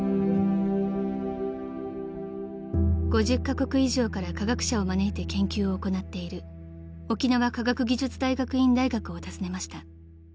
［５０カ国以上から科学者を招いて研究を行っている沖縄科学技術大学院大学を訪ねました］